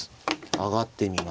上がってみます。